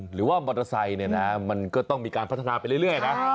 หรือว่ามอเตอร์ไซค์เนี่ยนะมันก็ต้องมีการพัฒนาไปเรื่อยนะ